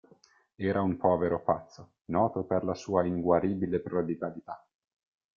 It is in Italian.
Era un povero pazzo, noto per la sua inguaribile prodigalità.